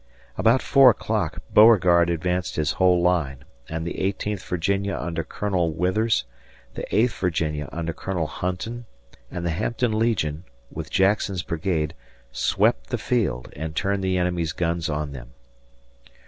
About four o'clock Beauregard advanced his whole line, and the 18th Virginia under Colonel Withers, the 8th Virginia under Colonel Hunton, and the Hampton Legion with Jackson's brigade swept the field and turned the enemy's guns on them.